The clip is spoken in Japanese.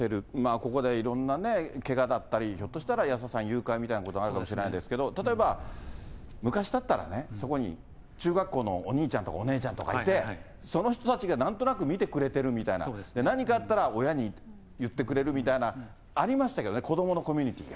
ここでいろんなね、けがだったり、ひょっとしたら安田さん、誘拐みたいなことがあるかもしれないですけど、例えば、昔だったらね、そこに中学校のお兄ちゃんとかお姉ちゃんとかいて、その人たちがなんとなく見てくれてるみたいな、何かあったら親に言ってくれるみたいなありましたけどね、子どものコミュニティーが。